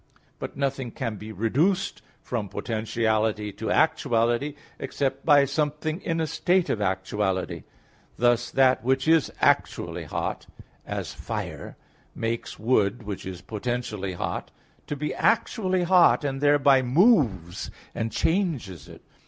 But nothing can be reduced from potentiality to actuality, except by something in a state of actuality. Thus that which is actually hot, as fire, makes wood, which is potentially hot, to be actually hot, and thereby moves and changes it.